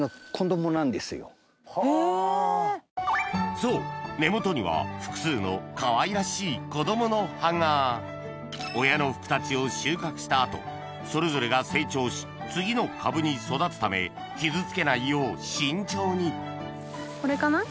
そう根元には複数のかわいらしい子供の葉が親のふくたちを収穫した後それぞれが成長し次の株に育つため傷つけないよう慎重にこれかな？